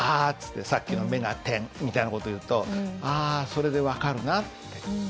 さっきの「目が点」みたいな事言うとああそれで分かるなって。